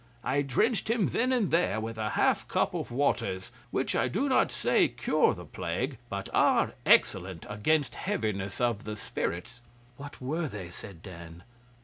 I drenched him then and there with a half cup of waters, which I do not say cure the plague, but are excellent against heaviness of the spirits.' 'What were they?' said Dan.